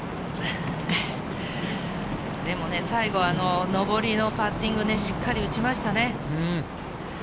でもね、最後は上りのパッティング、しっかり打ちましたね。